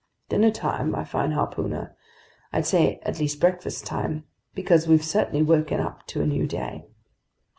"Dinnertime, my fine harpooner? I'd say at least breakfast time, because we've certainly woken up to a new day."